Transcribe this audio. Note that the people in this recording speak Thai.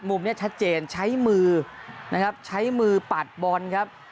มุมนี้ชัดเจนใช้มือนะครับใช้มือปัดบอลครับ